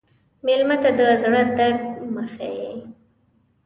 مېلمه ته د زړه درد مه ښیې.